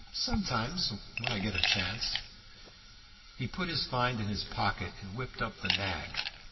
"Sometimes, when I get a chance." He put his find in his pocket and whipped up the nag.